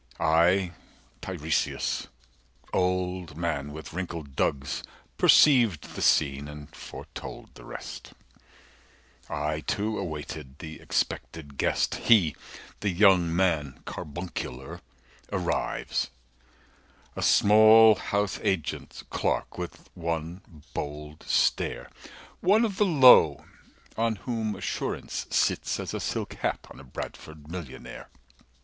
I Tiresias, old man with wrinkled dugs Perceived the scene, and foretold the rest— I too awaited the expected guest. 230 He, the young man carbuncular, arrives, A small house agent's clerk, with one bold stare, One of the low on whom assurance sits As a silk hat on a Bradford millionaire.